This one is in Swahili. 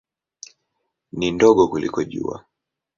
Ni ndogo kuliko Jua.